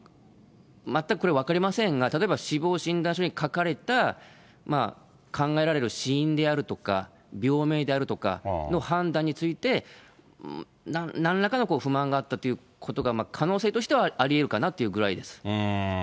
全くこれは分かりませんが、例えば死亡診断書に書かれた考えられる死因であるとか、病名であるとかの判断について、なんらかの不満があったということが可能性としてはありえるかなというぐらいです。